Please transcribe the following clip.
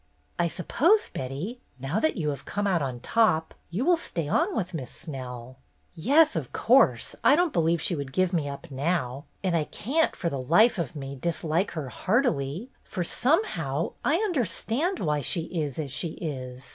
"I suppose, Betty, now that you have come out on top, you will stay on with Miss Snell." "Yes, of course. I don't believe she would 234 BETTY BAIRD'S GOLDEN YEAR give me up now. And I can't, for the life of me, dislike her heartily, for somehow I under stand why she is as she is.